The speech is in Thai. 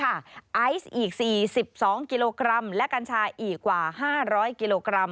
ไอซ์อีก๔๒กิโลกรัมและกัญชาอีกกว่า๕๐๐กิโลกรัม